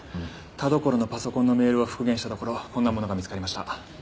田所のパソコンのメールを復元したところこんなものが見つかりました。